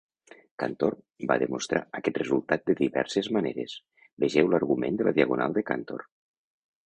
Cantor va demostrar aquest resultat de diverses maneres; vegeu l'argument de la diagonal de Cantor.